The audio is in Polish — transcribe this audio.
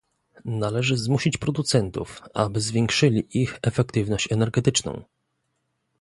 Należy zmusić producentów, aby zwiększyli ich efektywność energetyczną